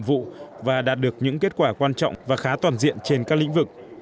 các mục tiêu nhiệm vụ và đạt được những kết quả quan trọng và khá toàn diện trên các lĩnh vực